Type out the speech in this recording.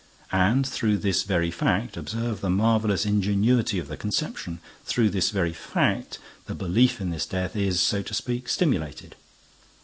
And, through this very fact—observe the marvelous ingenuity of the conception—through this very fact, the belief in this death is, so to speak, stimulated.